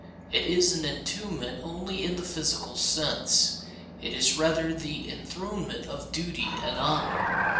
It is an entombment only in the physical sense. It is rather the enthronement of Duty and Honor.